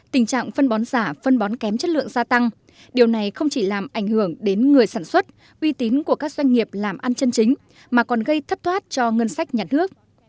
tình trạng phân bón giả phân bón kém chất lượng gia tăng điều này không chỉ làm ảnh hưởng đến người sản xuất uy tín của các doanh nghiệp làm ăn chân chính mà còn gây thất thoát cho ngân sách nhà nước